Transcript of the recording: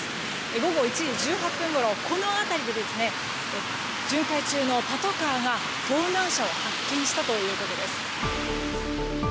午後１時１８分ごろ、この辺りで巡回中のパトカーが盗難車を発見したということです。